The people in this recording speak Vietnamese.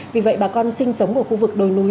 vì vậy bà con sinh sống ở khu vực đồi núi